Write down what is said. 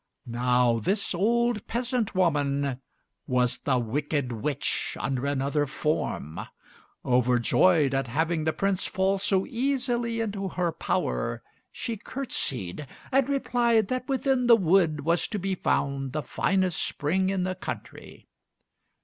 Now this old peasant woman was the wicked witch under another form. Overjoyed at having the Prince fall so easily into her power, she curtsied; and replied that within the wood was to be found the finest spring in the country.